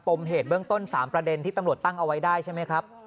มเหตุเบื้องต้น๓ประเด็นที่ตำรวจตั้งเอาไว้ได้ใช่ไหมครับ